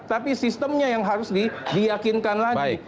tapi sistemnya yang harus diyakinkan lagi